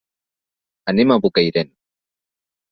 Anem a Bocairent.